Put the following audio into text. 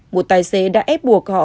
một tài xế đã ép buộc họ